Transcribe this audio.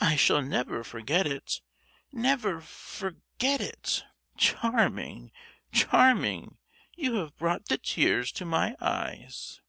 I shall never forget it, never for—get it! Charming! charming! You have brought the tears to my eyes!"